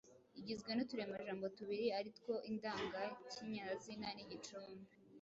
igizwe n’uturemajambo tubiri ari two indangakinyazina n’igicumbi .